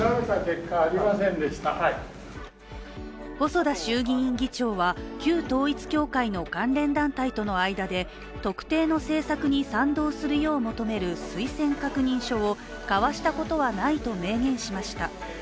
細田衆議院議長は旧統一教会の関連団体との間で特定の政策に賛同するよう求める推薦確認書を交わしたことはないと明言しました。